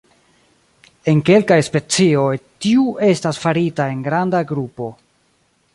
En kelkaj specioj, tiu estas farita en granda grupo.